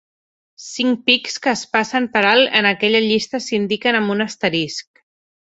Cinc pics que es passen per alt en aquella llista s'indiquen amb un asterisc.